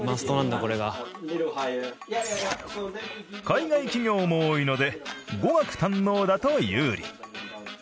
海外企業も多いので語学堪能だと有利。